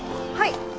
はい。